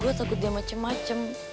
gue takut dia macem macem